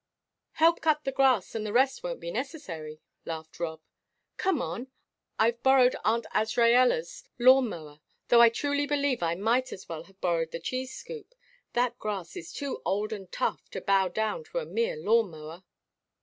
"Help cut the grass, and the rest won't be necessary," laughed Rob. "Come on! I've borrowed Aunt Azraella's lawn mower, though I truly believe I might as well have borrowed the cheese scoop that grass is too old and tough to bow down to a mere lawn mower."